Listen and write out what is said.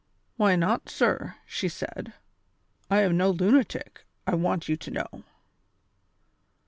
"Why not, sir?" she said; "I am no limatic, I want you to know."